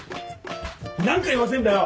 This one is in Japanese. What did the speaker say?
何回言わせんだよ！